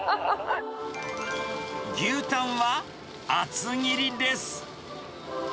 牛タンは厚切りです。